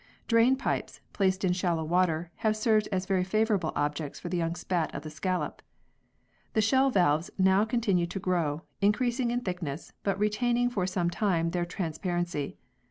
Drain pipes, placed in shallow water, have served as very favourable objects for the young spat of the scallop. The shell valves now continue to grow, increasing in thickness, but retaining for some time their trans parency.